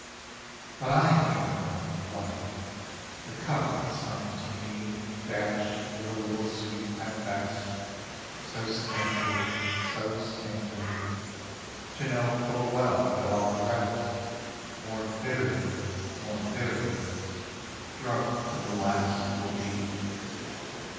But I have drunk enough of life—The cup assigned to meDashed with a little sweet at best, So scantily, so scantily—To know full well that all the rest, More bitterly, more bitterly, Drugged to the last will be.